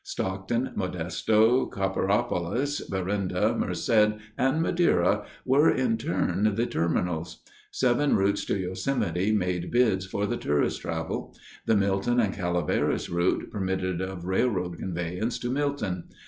Stockton, Modesto, Copperopolis, Berenda, Merced, and Madera were, in turn, the terminals. Seven routes to Yosemite made bids for the tourist travel. The Milton and Calaveras route permitted of railroad conveyance to Milton.